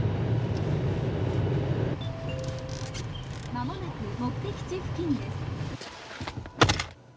「間もなく目的地付近です」。